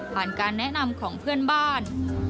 การแนะนำของเพื่อนบ้าน